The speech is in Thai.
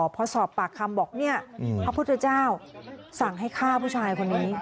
พอสอบปากคำบอกเนี่ยพระพุทธเจ้าสั่งให้ฆ่าผู้ชายคนนี้